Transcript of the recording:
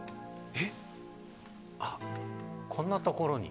えっ？